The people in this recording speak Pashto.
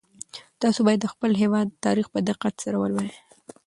تاسو باید د خپل هېواد تاریخ په دقت سره ولولئ.